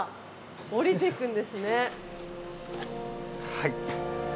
はい。